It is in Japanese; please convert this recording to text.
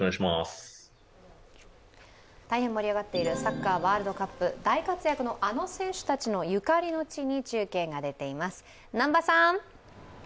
大変盛り上がっているサッカーワールドカップ、大活躍のあの選手たちのゆかりの地に中継が出ています。